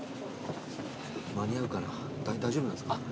間に合うかな大丈夫なんですか？